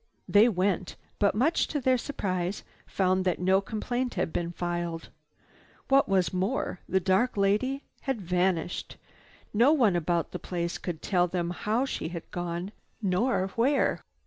They went, but much to their surprise found that no complaint had been filed. What was more, the dark lady had vanished. No one about the place could tell them how she had gone, nor where.